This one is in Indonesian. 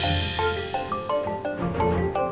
tapi enggak meantuk dung architectural